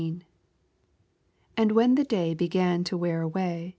12 And when the day began to wear »way.